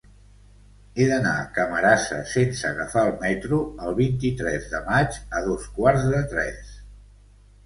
He d'anar a Camarasa sense agafar el metro el vint-i-tres de maig a dos quarts de tres.